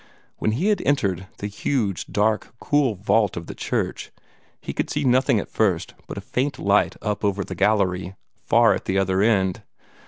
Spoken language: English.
When he had entered the huge, dark, cool vault of the church, he could see nothing at first but a faint light up over the gallery, far at the other end.